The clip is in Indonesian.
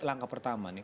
langkah pertama nih